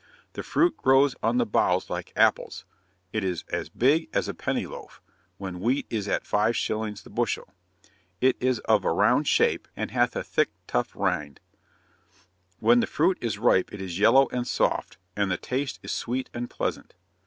The fruit grows on the boughs like apples; it is as big as a penny loaf, when wheat is at five shillings the bushel; it is of a round shape, and hath a thick tough rind; when the fruit is ripe it is yellow and soft, and the taste is sweet and pleasant.